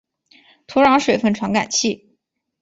土壤水分传感器。